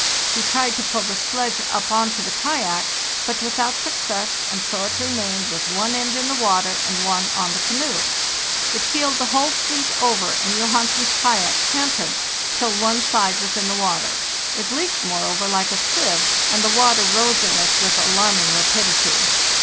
He tried to pull the sledge up on to the kayak, but without success, and so it remained with one end in the water and one on the canoe. It heeled the whole fleet over, and Johansen's kayak canted till one side was in the water; it leaked, moreover, like a sieve, and the water BY SLEDGE AND KAVAK 291 rose in it with alarming rapidity.